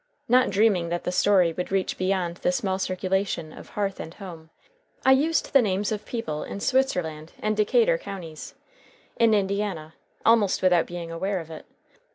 Not dreaming that the story would reach beyond the small circulation of Hearth and Home, I used the names of people in Switzerland and Decatur counties, in Indiana, almost without being aware of it.